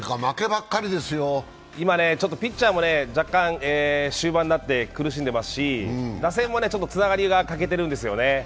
今、ピッチャーも終盤になって苦しんでいますし、打線もつながりが欠けているんですよね。